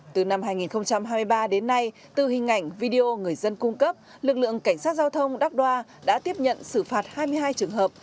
từ năm hai nghìn hai mươi ba đến nay từ hình ảnh video người dân cung cấp lực lượng cảnh sát giao thông đắc đoa đã tiếp nhận xử phạt hai mươi hai trường hợp